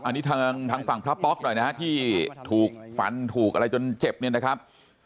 อันนี้ทางฝั่งพระป๊อกหน่อยนะฮะที่ถูกฟันถูกอะไรจนเจ็บเนี่ยนะครับ